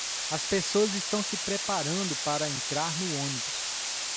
as pessoas estão se preparando para entrar no ônibus